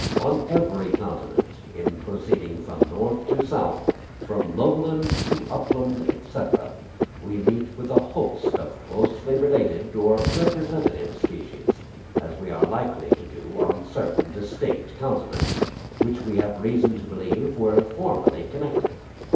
On every continent, in proceeding from north to south, from lowland to upland, &c., we meet with a host of closely related or representative species; as we likewise do on certain distinct continents, which we have reason to believe were formerly connected.